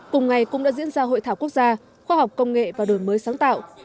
cùng ngày cũng đã diễn ra hội thảo quốc gia khoa học công nghệ và đổi mới sáng tạo